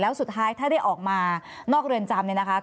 แล้วสุดท้ายถ้าได้ออกมานอกเรือนจำ